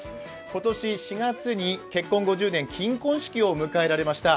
今年４月に結婚５０年、金婚式を迎えられました。